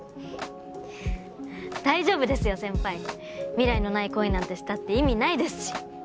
未来のない恋なんてしたって意味ないですし。